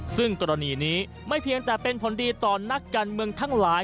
ซึ่งกรณีนี้ไม่เพียงแต่เป็นผลดีต่อนักการเมืองทั้งหลาย